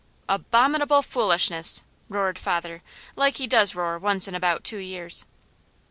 "Abominable foolishness!" roared father like he does roar once in about two years.